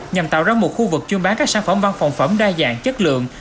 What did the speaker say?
nhằm tạo ra một khu vực chuyên bán các sản phẩm văn phòng phẩm đa dạng chất lượng